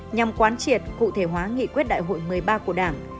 nhằm quán triệt cụ thể hóa nghị quyết đại hội một mươi ba của đảng